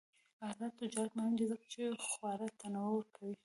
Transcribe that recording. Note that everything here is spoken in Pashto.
آزاد تجارت مهم دی ځکه چې خواړه تنوع ورکوي.